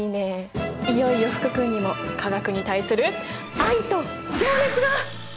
いよいよ福君にも化学に対する愛と情熱が。